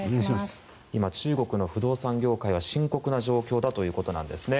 今、中国の不動産業界は深刻な状況だということなんですね。